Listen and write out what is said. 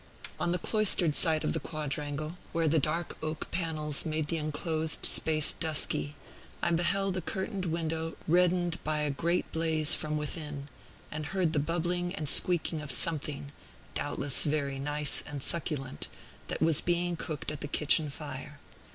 On the cloistered side of the quadrangle, where the dark oak panels made the enclosed space dusky, I beheld a curtained window reddened by a great blaze from within, and heard the bubbling and squeaking of something doubtless very nice and succulent that was being cooked at the kitchen fire.